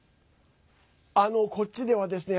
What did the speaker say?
こっちではですね